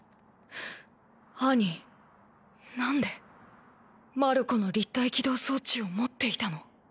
アニ何でマルコの立体機動装置を持っていたの？